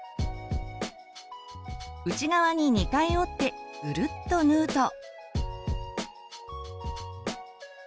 内側に２回折ってぐるっと縫うと。